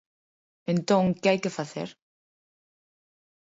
Entón, ¿que hai que facer?